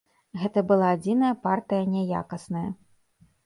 Гэта была адзіная партыя няякасная.